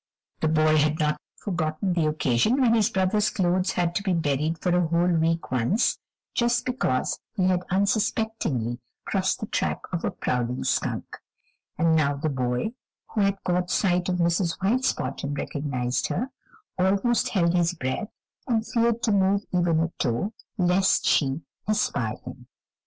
The boy had not forgotten the occasion when his brother's clothes had had to be buried for a whole week once, just because he had unsuspectingly crossed the track of a prowling skunk, and now the boy, who had caught sight of Mrs. White Spot and recognized her, almost held his breath and feared to move even a toe, lest she espy him.